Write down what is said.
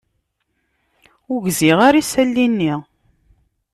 Ur gziɣ ara isali-nni.